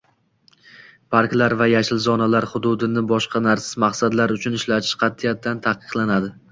parklar va “yashil zonalar” hududini boshqa maqsadlar uchun ishlatish qat’iyan taqiqlanadi.